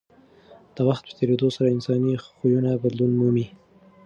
د وخت په تېرېدو سره انساني خویونه بدلون مومي.